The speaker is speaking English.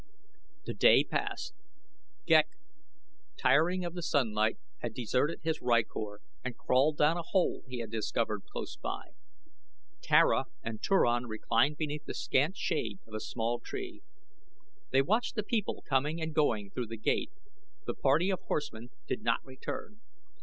The day passed. Ghek, tiring of the sunlight, had deserted his rykor and crawled down a hole he had discovered close by. Tara and Turan reclined beneath the scant shade of a small tree. They watched the people coming and going through the gate. The party of horsemen did not return.